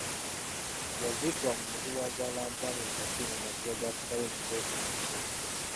Yaziikibwa mu Muzibu-azaala-Mpanga e Kasubi mu masiro ga kitaawe Mutesa I.